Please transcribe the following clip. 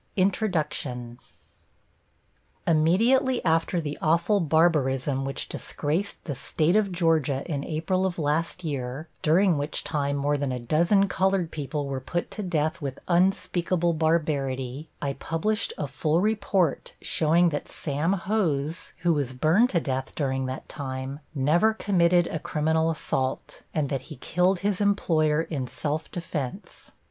] +INTRODUCTION+ Immediately after the awful barbarism which disgraced the State of Georgia in April of last year, during which time more than a dozen colored people were put to death with unspeakable barbarity, I published a full report showing that Sam Hose, who was burned to death during that time, never committed a criminal assault, and that he killed his employer in self defense.